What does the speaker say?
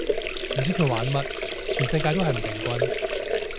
唔知佢玩乜，全世界都係唔平均